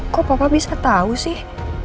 kok papa bisa tahu sih